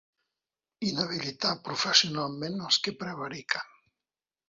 Inhabilitar professionalment els qui prevariquen.